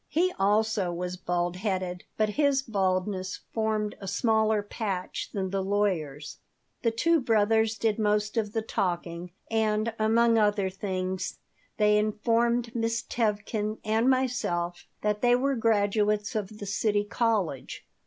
He also was bald headed, but his baldness formed a smaller patch than the lawyer's The two brothers did most of the talking, and, among other things, they informed Miss Tevkin and myself that they were graduates of the City College.